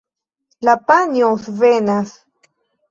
La panjo svenas.